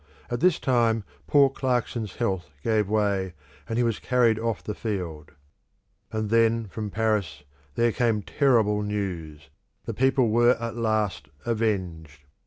At this time poor Clarkson's health gave way, and he was carried off the field. And then from Paris there came terrible news; the people were at last avenged.